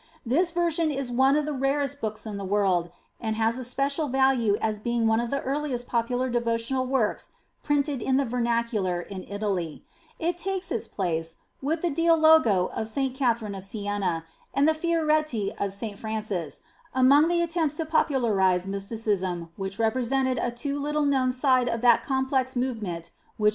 This version is one of the rarest books in the world, and has a special value as being one of the earliest popular devotional works printed in the vernacular in Italy. It takes its place xxx INTRODUCTION with the " Dialogo " of St. Catherine of Siena and the " Fioretti " of St. Francis, among the attempts to popu larise Mysticism, which represented a too little known side of that complex movement which we call the Renaissance.